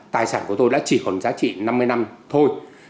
tài sản của tôi đã chỉ còn giá trị năm mươi năm thôi